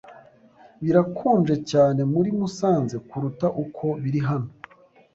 Birakonje cyane muri Musanze kuruta uko biri hano.